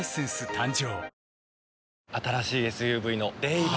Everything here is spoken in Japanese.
誕生